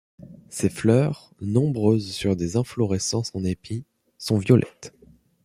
Ses fleurs, nombreuses sur des inflorescences en épi, sont violettes.